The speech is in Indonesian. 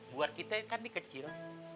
buat kita kan ini kecil